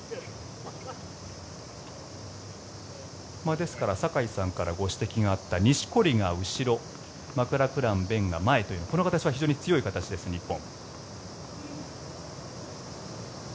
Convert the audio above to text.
ですから坂井さんからご指摘があった錦織が後ろマクラクラン勉が前というこの形は非常に強い形です日本。